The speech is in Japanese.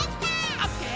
「オッケー！